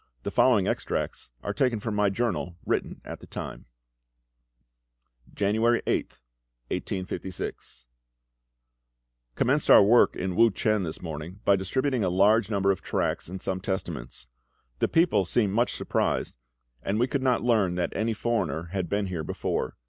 The following extracts are taken from my journal, written at the time: January 8th, 1856. Commenced our work in Wu chen this morning by distributing a large number of tracts and some Testaments. The people seemed much surprised, and we could not learn that any foreigner had been here before.